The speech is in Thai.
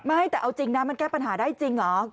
ไม่แต่เอาจริงนะมันแก้ปัญหาได้จริงเหรอ